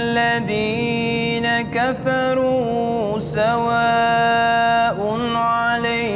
waduh ini harus kah